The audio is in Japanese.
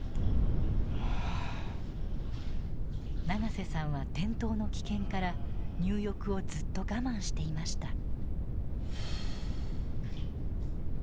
長瀬さんは転倒の危険から入浴をずっと我慢していました。